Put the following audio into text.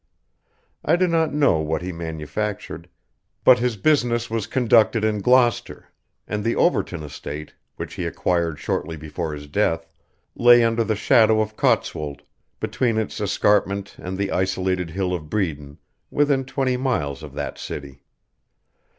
I do not know what he manufactured, but his business was conducted in Gloucester, and the Overton estate, which he acquired shortly before his death, lay under the shadow of Cotswold, between its escarpment and the isolated hill of Bredon, within twenty miles of that city.